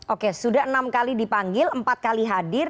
oke sudah enam kali dipanggil empat kali hadir